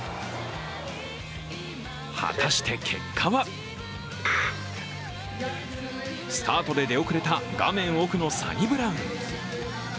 果たして、結果はスタートで出遅れた画面奥のサニブラウン。